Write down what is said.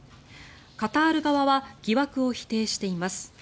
カタール側は疑惑を否定しています。